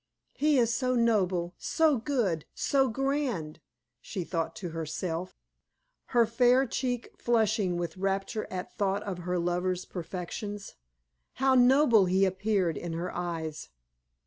"He is so noble, so good, so grand!" she thought to herself, her fair cheek flushing with rapture at thought of her lover's perfections. How noble he appeared in her eyes!